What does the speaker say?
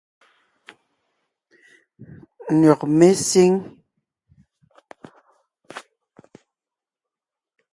Nÿɔ́g mé síŋ.